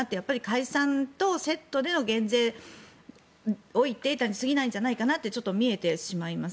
解散とセットでの減税を言っていたのに過ぎないのかなとちょっと見えてしまいます。